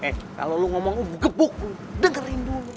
eh kalo lo ngomong lo bukup bukup udah keren dulu